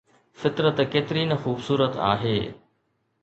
فطرت ڪيتري نه خوبصورت آهي